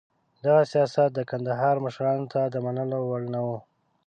دغه سیاست د کندهار مشرانو ته د منلو وړ نه و.